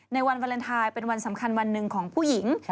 ในวันวาเลนไทยเป็นวันสำคัญวันหนึ่งของผู้หญิง